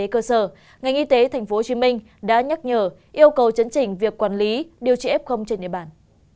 cơ sở ngành y tế tp hcm đã nhắc nhở yêu cầu chấn chỉnh việc quản lý điều trị f trên địa bàn